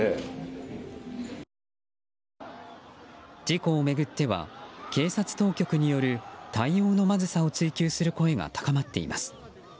事故を巡っては警察当局による対応のまずさを追及する声が高まっています。